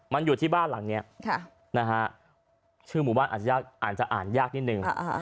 มันอยู่ที่บ้านหลังนี้ชื่อหมู่บ้านอาจจะยากอาจจะอ่านยากนิดนึง